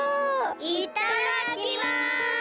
いっただっきます！